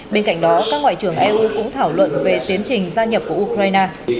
bên cạnh đó các ngoại trưởng eu cũng thảo luận về tiến trình gia nhập của ukraine